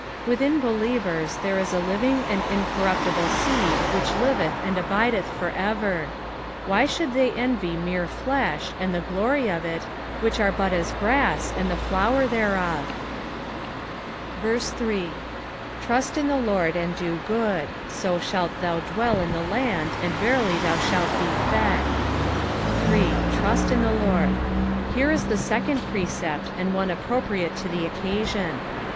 Within believen) there ia a livlDg and incorruptible seed wbicb liveCh and abideth for ever ; why should ttiej enrj mere fiesh, and the glory of it, which are but as grass, aod the flower thereof ?•\^ 3 Trust in the LORD, and do good ; so shall thou dwell in the land, and verily thou shalt be fed, 3. " Trasl in Iht Lord." Here is the second precept, and one appropriate to the occasion.